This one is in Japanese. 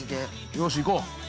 ◆よし、行こう。